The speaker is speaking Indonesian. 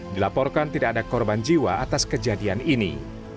dilaporkan tidak ada korban jiwa atas kejadian ini